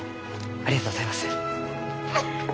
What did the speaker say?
ありがとうございます。